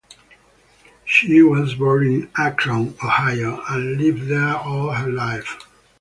She was born in Akron, Ohio and lived there all of her life.